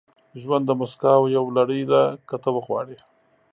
• ژوند د موسکاو یوه لړۍ ده، که ته وغواړې.